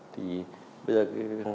thì bây giờ